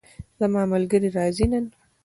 زما ملګری راځي نن